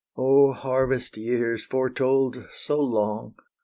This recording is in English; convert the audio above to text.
Oh! harvest years, foretold so long!